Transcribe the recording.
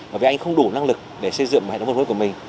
và vì anh không đủ năng lực để xây dựng hệ thống phân phối của mình